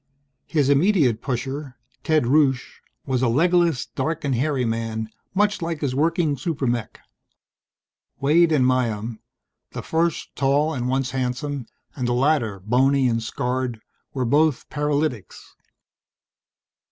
His immediate pusher, Ted Rusche, was a legless, dark and hairy man, much like his working super mech. Waide and Myham, the first tall and once handsome, and the latter, bony and scarred, were both paralytics.